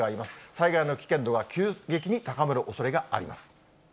災害の危険度が急激に高まるおそれがあります。